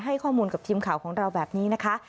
ให้ข้อมูลกับทีมข่าวของเราแบบนี้นะคะ